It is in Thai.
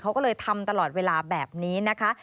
เขาก็เลยทำตลอดเวลาแบบนี้นะคะ